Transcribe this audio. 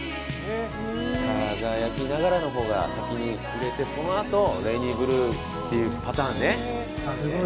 『輝きながら』の方が先に売れてそのあと『レイニーブルー』っていうパターンね。